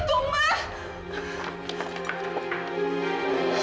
ya allah papa